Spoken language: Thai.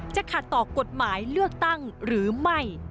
จะขัดต่อกฎหมายเลือกตั้งหรือไม่